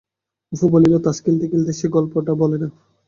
অপু বলিল, তাস খেলতে খেলতে সেই গল্পটা বলে না।